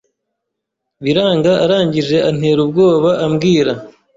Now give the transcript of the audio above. biranga arangije antera ubwoba ambwira